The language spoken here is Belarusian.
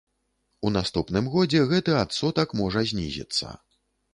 У наступным годзе гэты адсотак можа знізіцца.